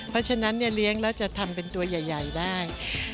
เพราะฉะนั้นเนี่ยเลี้ยงแล้วจะทำเป็นตัวใหญ่ได้